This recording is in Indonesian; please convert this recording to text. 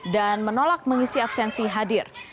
dan menolak mengisi absensi hadir